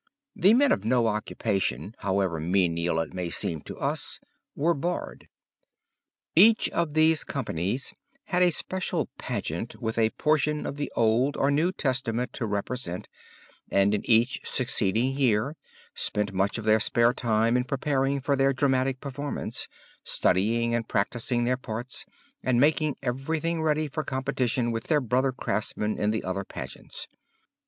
The men of no occupation, however menial it may seem to us, were barred. Each of these companies had a special pageant with a portion of the Old or New Testament to represent and in each succeeding year spent much of their spare time in preparing for their dramatic performance, studying and practising their parts and making everything ready for competition with their brother craftsmen in the other pageants.